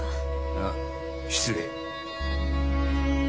ああ失礼。